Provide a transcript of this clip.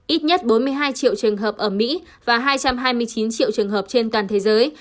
ít nhất bốn mươi hai triệu trường hợp ở mỹ và hai trăm hai mươi chín triệu trường hợp trên toàn thế giới